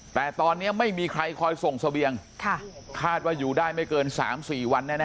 แต่ตอนเนี้ยไม่มีใครคอยส่งเสวียงค่ะคาดว่าอยู่ได้ไม่เกินสามสี่วันแน่แน่